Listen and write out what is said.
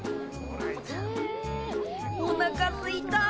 おなかすいた！